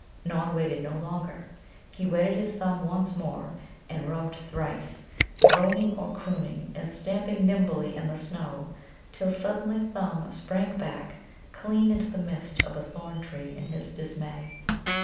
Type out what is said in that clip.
Nod waited no longer. He wetted his thumb once more, and rubbed thrice, droning or crooning, and stamping nimbly in the snow, till suddenly Thumb sprang back clean into the midst of a thorn tree in his dismay.